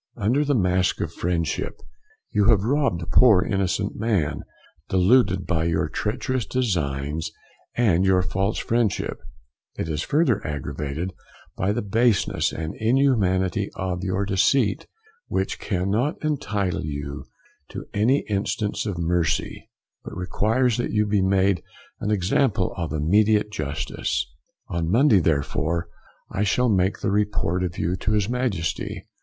Under the mask of friendship you have robbed a poor innocent man, deluded by your treacherous designs, and your false friendship: it is further aggravated by the baseness and inhumanity of your deceit, which cannot intitle you to any instance of mercy, but requires that you may be made an example of immediate justice. On Monday, therefore, I shall make the report of you to his Majesty.